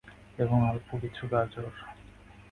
এবং অল্প কিছু গাজর?